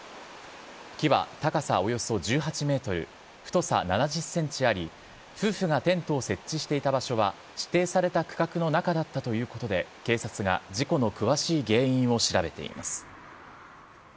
木は高さおよそ１８メートル、太さ７０センチあり、夫婦がテントを設置していた場所は、指定された区画の中だったということで、警察が事故の詳しい原因を調べています。